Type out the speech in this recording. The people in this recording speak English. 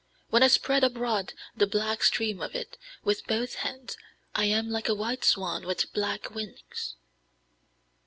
When I spread abroad the black stream of it, with both hands, I am like a white swan with black wings."